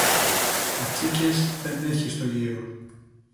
Κατσίκες δεν έχει στο γύρο!